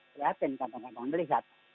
perhatikan teman teman melihat